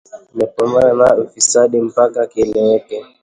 "Tutapambana na ufisadi!" mpaka kieleweke